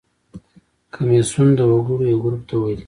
کمیسیون د وګړو یو ګروپ ته ویل کیږي.